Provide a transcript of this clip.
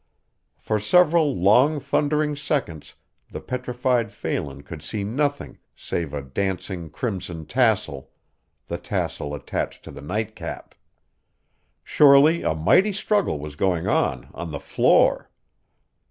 For several long thundering seconds the petrified Phelan could see nothing save a dancing crimson tassel, the tassel attached to the nightcap. Surely a mighty struggle was going on on the floor!